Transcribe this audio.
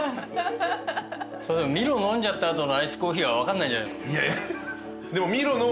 それでもミロ飲んじゃった後のアイスコーヒーは分かんないんじゃないの？